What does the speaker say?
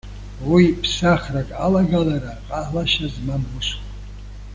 Уи ԥсахрак алагалара ҟалашьа змам усуп.